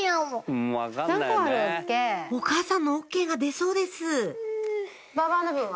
お母さんのＯＫが出そうです